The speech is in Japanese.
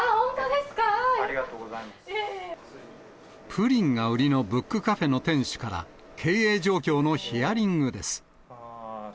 プリンが売りのブックカフェの店主から、経営状況のヒアリングです。